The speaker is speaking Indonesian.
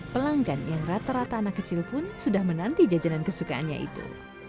pelanggan yang rata rata anak kecil pun sudah menanti jajanan kesukaannya itu